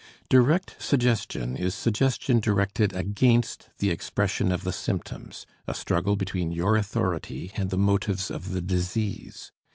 Direct suggestion is suggestion directed against the expression of the symptoms, a struggle between your authority and the motives of the disease.